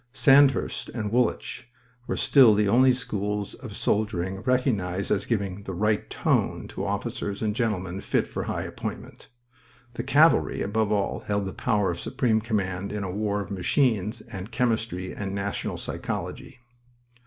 Sandhurst and Woolwich were still the only schools of soldiering recognized as giving the right "tone" to officers and gentlemen fit for high appointment. The cavalry, above all, held the power of supreme command in a war of machines and chemistry and national psychology....